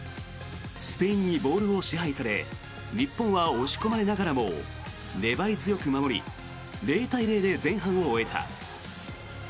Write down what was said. スペインにボールを支配され日本は押し込まれながらも粘り強く守り０対０で前半を終えた。